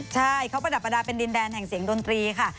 ใช่เขาประดับประดาษเป็นดินแดนแห่งเสียงดนตรีค่ะ